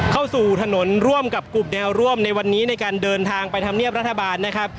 เข้าสู่ถนนร่วมกับกลุ่มแนวร่วมในวันนี้ในการเดินทางไปทำเนียบรัฐบาลนะครับ